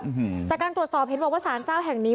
จากการตรวจสอบเห็นบอกว่าสารเจ้าแห่งนี้